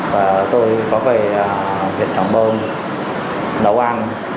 và tôi có về huyện trắng bom nấu ăn